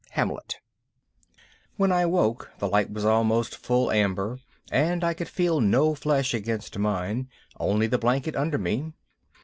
_ Hamlet When I woke the light was almost full amber and I could feel no flesh against mine, only the blanket under me.